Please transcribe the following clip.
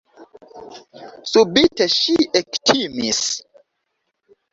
Subite ŝi ektimis.